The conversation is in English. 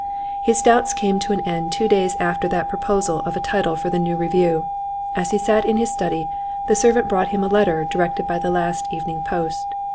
His doubts came to an end two days after that proposal of a title for the new review. As he sat in his study the servant brought him a letter delivered by the last evening post.